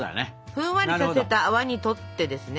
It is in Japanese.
ふんわりさせた泡にとってですね